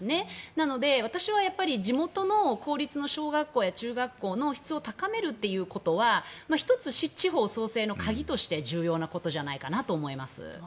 なので、私は地元の公立の小学校や中学校の質を高めることは１つ地方創生の鍵として重要なことじゃないかなと思います。